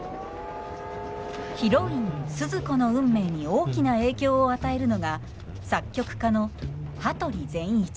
ヒロインスズ子の運命に大きな影響を与えるのが作曲家の羽鳥善一。